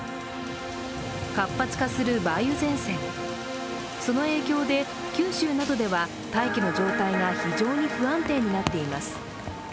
活発化する梅雨前線、その影響で九州などでは大気の状態が非常に不安定になっています。